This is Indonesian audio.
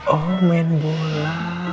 oh main bola